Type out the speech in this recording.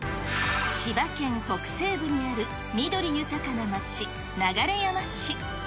千葉県北西部にある緑豊かな街、流山市。